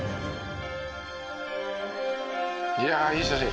「いやあいい写真。